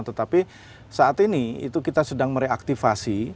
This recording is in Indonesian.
tetapi saat ini itu kita sedang mereaktivasi